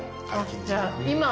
じゃあ今。